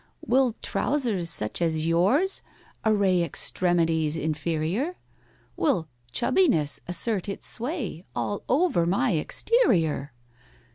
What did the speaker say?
"Will trousers, such as yours, array Extremities inferior? Will chubbiness assert its sway All over my exterior?